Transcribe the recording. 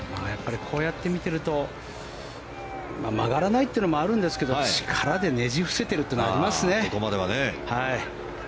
こうやって見ているとやっぱり曲がらないというのもあるんですけど力でねじ伏せているというのがありますね。